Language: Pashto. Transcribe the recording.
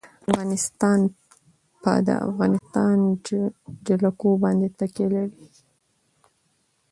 افغانستان په د افغانستان جلکو باندې تکیه لري.